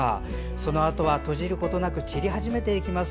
そのあとは閉じることなく散り始めていきます。